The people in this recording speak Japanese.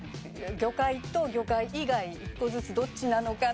魚介と魚介以外１個ずつどっちなのかな